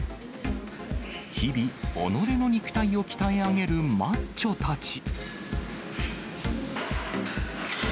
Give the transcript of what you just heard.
日々、己の肉体を鍛え上げるマッチョたち。